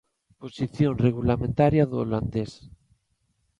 Posición regulamentaria do holandés.